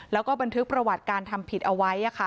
แล้วก็บันทึกประวัติการทำผิดเอาไว้